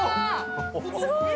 すごい！